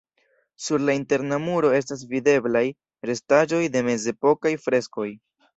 Sur la interna muro estas videblaj restaĵoj de mezepokaj freskoj.